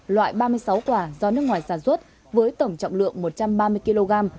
loại ba mươi sáu quả do nước ngoài sản xuất với tổng trọng lượng một trăm ba mươi kg